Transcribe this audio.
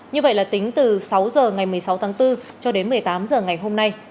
như vậy là tính từ sáu h ngày một mươi sáu tháng bốn cho đến một mươi tám h ngày hôm nay